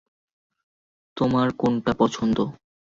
তোমার কোনটা পছন্দ?